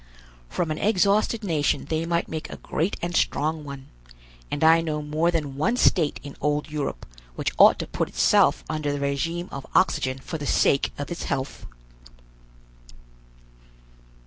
From an exhausted nation they might make a great and strong one, and I know more than one state in old Europe which ought to put itself under the regime of oxygen for the sake of its health!"